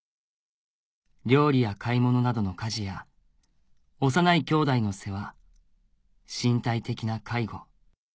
料理や買い物などの家事や幼いきょうだいの世話身体的な介護